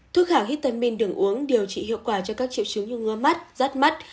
thuốc khả vitamin đường uống điều trị hiệu quả cho các triệu chứng như ngơ mắt rát mắt